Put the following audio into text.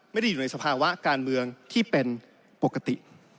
ไม่ได้อยู่ในสภาวะการเมืองที่เป็นปกติ